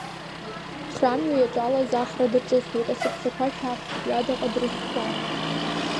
Храмҩа иаҿалаз ахра даҿысуеит, асыԥсақәа шәарҭоуп, ҩадаҟа дрышьҭуам.